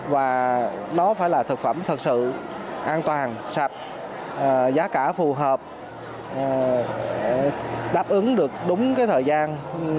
và nó phải là thực phẩm thật sự an toàn sạch giá cả phù hợp đáp ứng được đúng cái thời gian